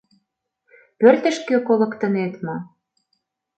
— Пӧртышкӧ колыктынет мо?